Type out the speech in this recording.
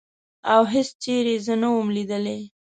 او هېڅ چېرې زه نه وم لیدلې.